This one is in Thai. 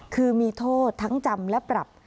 คือมีโทษทั้งจำและปรับ